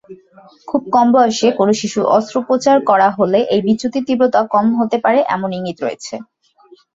খুব কম বয়সে কোনও শিশুর অস্ত্রোপচার করা হলে এই বিচ্যুতির তীব্রতা কম হতে পারে এমন ইঙ্গিত রয়েছে।